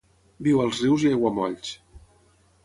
Viu als rius i aiguamolls.